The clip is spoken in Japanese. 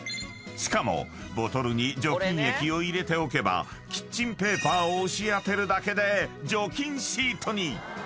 ［しかもボトルに除菌液を入れておけばキッチンペーパーを押し当てるだけで除菌シートに］